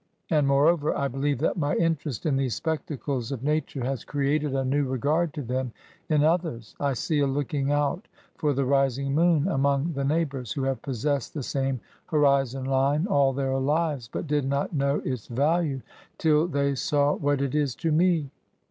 And, moreover, I believe that my interest in these spectacles of Nature has created a new regard to them in others. I see a looking out for the rising moon among the neighbours, who have possessed the same horizon line all their lives, but did not know its value till 56 ESSAYS. they saw what it is to me.